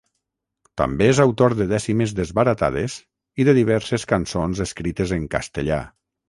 També és autor de dècimes desbaratades i de diverses cançons escrites en castellà.